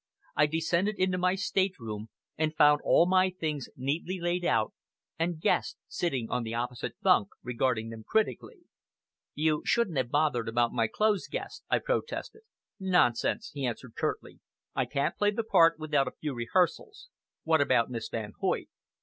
I descended into my state room, and found all my things neatly laid out, and Guest sitting on the opposite bunk regarded them critically. "You shouldn't have bothered about my clothes, Guest," I protested. "Nonsense," he answered curtly. "I can't play the part without a few rehearsals. What about Miss Van Hoyt?"